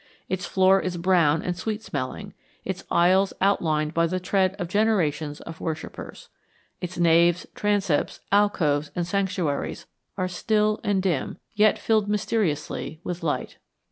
Its floor is brown and sweet smelling, its aisles outlined by the tread of generations of worshippers. Its naves, transepts, alcoves, and sanctuaries are still and dim, yet filled mysteriously with light.